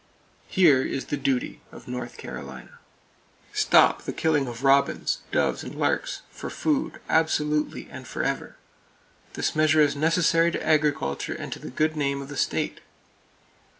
Here is the duty of North Carolina: Stop the killing of robins, doves and larks for food, absolutely and forever. This measure is necessary to agriculture and to the good name of the state.